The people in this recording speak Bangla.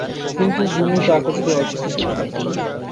কিন্তু ব্রুনো তা করতে অস্বীকৃতি জানান।